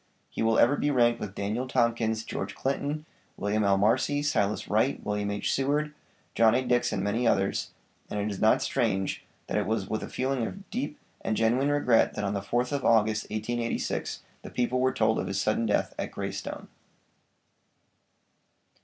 He will ever be ranked with Daniel Tompkins, George Clinton, William L. Marcy, Silas Wright, William H. Seward, John A. Dix and many others, and it is not strange that it was with a feeling of deep and genuine regret that on the 4th of August, 1886, the people were told of his sudden death at 'Greystone.'